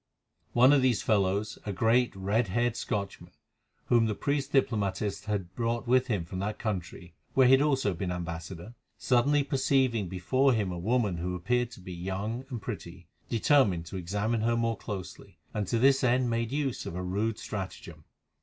One of these fellows, a great, red haired Scotchman, whom the priest diplomatist had brought with him from that country, where he had also been ambassador, suddenly perceiving before him a woman who appeared to be young and pretty, determined to examine her more closely, and to this end made use of a rude stratagem.